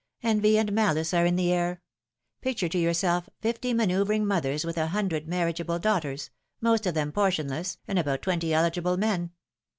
Envy and malice are in the air. Picture to yourself fifty manoeuvring mothers with a hundred marriageable daughters, most of them portionless, and about twenty eligible men.